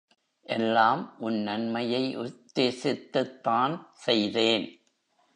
எல்லாம் உன் நன்மையை உத்தேசித்துத்தான் செய்தேன்.